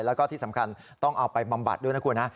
แล้วก็ที่สำคัญต้องเอาไปบำบัดด้วยนะคุณนะ